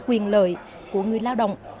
quyền lợi của người lao động